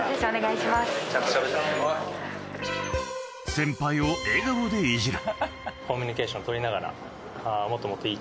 先輩を笑顔でいじる。